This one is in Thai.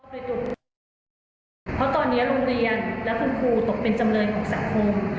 เพราะตอนนี้โรงเรียนและคุณครูตกเป็นจำเลยของสังคม